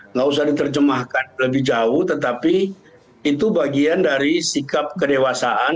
nggak usah diterjemahkan lebih jauh tetapi itu bagian dari sikap kedewasaan